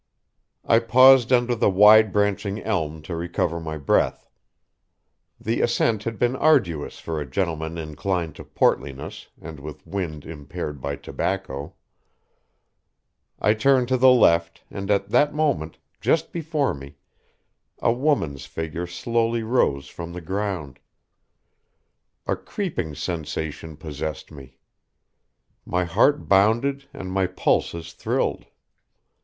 I paused under the wide branching elm to recover my breath. The assent had been arduous for a gentleman inclined to portliness and with wind impaired by tobacco. I turned to the left, and at that moment, just before me, a woman's figure slowly rose from the ground. A creeping sensation possessed me. My heart bounded and my pulses thrilled.